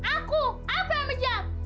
aku aku yang menjam